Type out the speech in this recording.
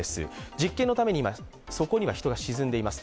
実験のために底には人が沈んでいます。